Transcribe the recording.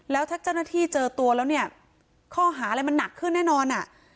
แล้วถ้าเจ้าหน้าที่เจอตัวแล้วเนี่ยข้อหาอะไรมันหนักขึ้นแน่นอนอ่ะ